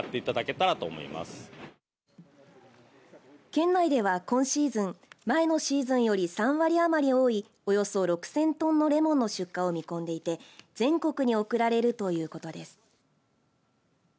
県内では、今シーズン前のシーズンより３割余り多いおよそ６０００トンのれもんの出荷を見込んでいて全国に送られるということです。